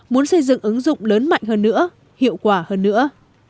muốn xây dựng ứng dụng lớn mạnh hơn nữa hiệu quả hơn nữa